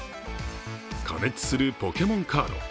過熱するポケモンカード。